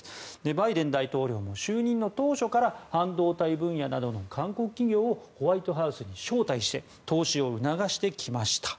バイデン大統領の就任当初から半導体分野などの韓国企業をホワイトハウスに招待して投資を促してきました。